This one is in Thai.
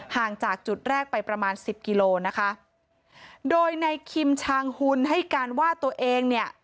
ห่างจากจุดแรกไปประมาณสิบกิโลนะคะโดยในคิมชางหุ่นให้การว่าตัวเองเนี่ย